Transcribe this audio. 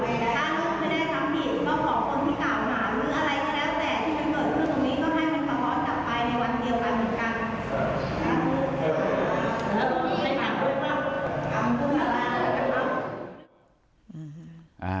แต่ที่เปิดภาพภาพนี้ก็ให้มันต้องพางอ้อมตัดไปในวันเดียวกันเหมือนกัน